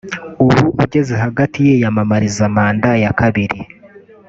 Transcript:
ubu ugeze hagati yiyamamariza manda ya kabiri